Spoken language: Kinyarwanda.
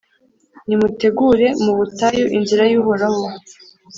«Nimutegure mu butayu inzira y’Uhoraho,